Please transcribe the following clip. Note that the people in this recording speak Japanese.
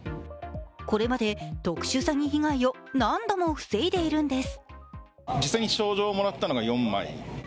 これまで特殊詐欺被害を何度も防いでいるんです。